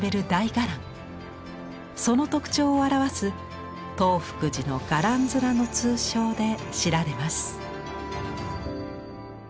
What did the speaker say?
その特長を表す「東福寺の伽藍面」の通称で知られます。